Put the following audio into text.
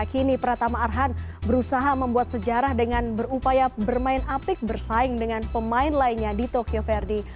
kini pratama arhan berusaha membuat sejarah dengan berupaya bermain apik bersaing dengan pemain lainnya di tokyo verde